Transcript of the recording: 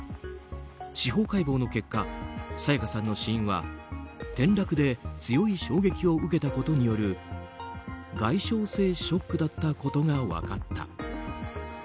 司法解剖の結果沙也加さんの死因は転落で強い衝撃を受けたことによる外傷性ショックだったことが分かった。